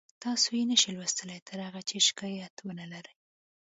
تاسو یې نشئ لوستلی تر هغه چې شکایت ونلرئ